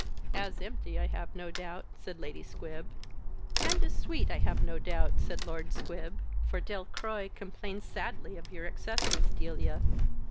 _" "As empty, I have no doubt," said Lady Squib. "And as sweet, I have no doubt," said Lord Squib; "for Delcroix complains sadly of your excesses, Delia."